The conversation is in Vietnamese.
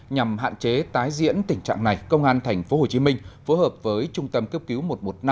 nhằm hạn chế tái diễn tình trạng này công an tp hcm phối hợp với trung tâm cấp cứu một trăm một mươi năm